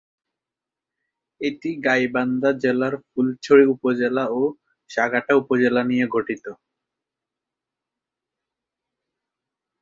এটি গাইবান্ধা জেলার ফুলছড়ি উপজেলা ও সাঘাটা উপজেলা নিয়ে গঠিত।